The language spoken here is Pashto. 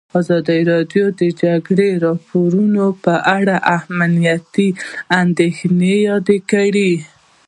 ازادي راډیو د د جګړې راپورونه په اړه د امنیتي اندېښنو یادونه کړې.